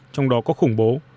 trong đó có khủng bố